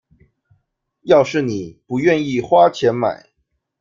要是妳不願意花錢買